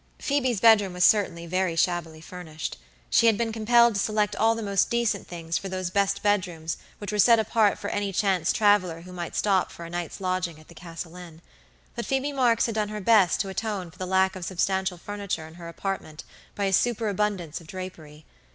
Phoebe's bedroom was certainly very shabbily furnished; she had been compelled to select all the most decent things for those best bedrooms which were set apart for any chance traveler who might stop for a night's lodging at the Castle Inn; but Phoebe Marks had done her best to atone for the lack of substantial furniture in her apartment by a superabundance of drapery.